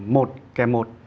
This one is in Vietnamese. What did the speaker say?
một kèm một